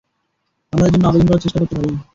আমরা এর জন্য আবেদন করে চেষ্টা করতে পারি?